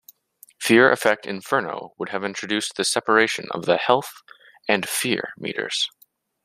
"Fear Effect Inferno" would have introduced the separation of the "Health" and "Fear" Meters.